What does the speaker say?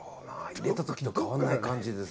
入れた時と変わらない感じです